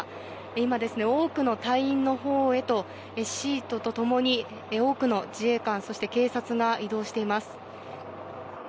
今、多くの隊員のほうへとシートと共に多くの自衛官、そして警察が移動しています。